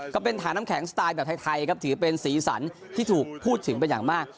ก็เป็นถังน้ำแข็งสไตล์แบบไทยครับถือเป็นสีสันที่ถูกพูดถึงเป็นอย่างมาก